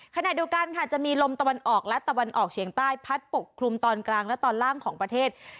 ขณะเดียวกันค่ะจะมีลมตะวันออกและตะวันออกเฉียงใต้พัดปกคลุมตอนกลางและตอนล่างของประเทศ